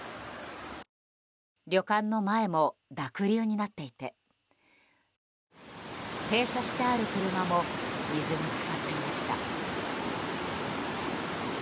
旅館の前も濁流になっていて停車してある車も水に浸かっていました。